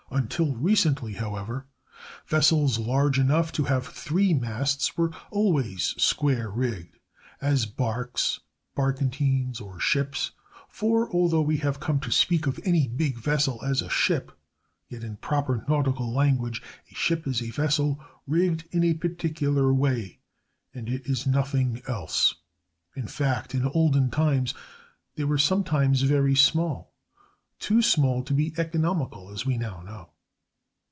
Until recently, however, vessels large enough to have three masts were always "square rigged," as barks, barkentines, or ships; for, although we have come to speak of any big vessel as a "ship," yet in proper nautical language a ship is a vessel rigged in a particular way, and it is nothing else. In fact, in olden times they were sometimes very small—too small to be economical, as we now know.